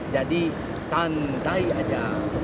jadi santai aja